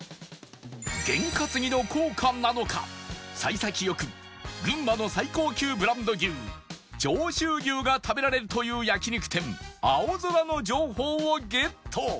ゲン担ぎの効果なのか幸先良く群馬の最高級ブランド牛上州牛が食べられるという焼肉店アオゾラの情報をゲット